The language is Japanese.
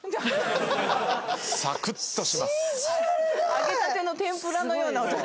揚げたての天ぷらのような音が。